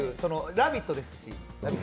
「ラヴィット！」ですし。